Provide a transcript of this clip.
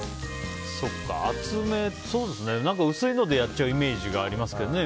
薄いのでやっちゃうイメージがありますけどね。